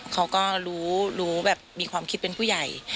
เขาก็รู้มีความคิดเป็นผู้ใหญ่